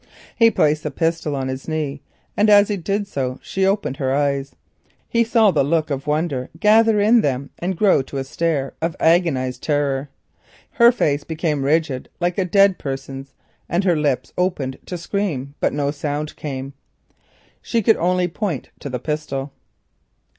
He placed the pistol on his knee, and as he did so she opened her eyes. He saw the look of wonder gather in them and grow to a stare of agonised terror. Her face became rigid like a dead person's and her lips opened to scream, but no cry came. She could only point to the pistol.